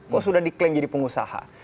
kok sudah diklaim jadi pengusaha